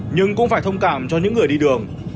nhưng cũng phải thông cảm cho những người đi đường